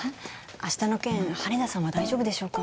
明日の件羽田さんは大丈夫でしょうか？